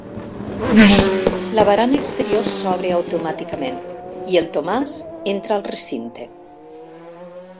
La barana exterior s'obre automàticament i el Tomàs entra al recinte.